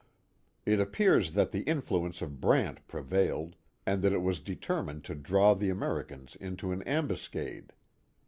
It ap pears that the influence of Brant prevailed, and that it was determined to draw the Americans into an ambuscade.